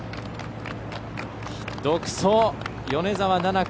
独走、米澤奈々香。